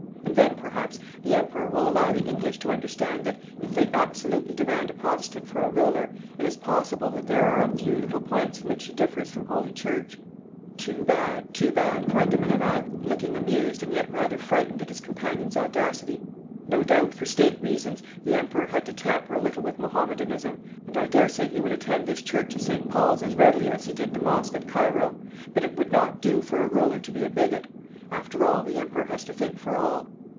And then, perhaps, the Emperor will allow the English to understand that, if they absolutely demand a Protestant for a ruler, it is possible that there are a few little points in which he differs from Holy Church.' 'Too bad! Too bad!' cried de Meneval, looking amused and yet rather frightened at his companion's audacity. 'No doubt for state reasons the Emperor had to tamper a little with Mahomedanism, and I daresay he would attend this Church of St. Paul's as readily as he did the Mosque at Cairo; but it would not do for a ruler to be a bigot. After all, the Emperor has to think for all.'